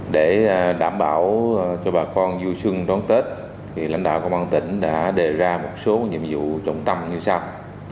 để đảm bảo cho bà con vui xuân đón tết lãnh đạo công an tỉnh đã đề ra một số nhiệm vụ trọng tâm như sau